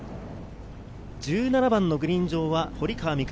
１７番のグリーン上は堀川未来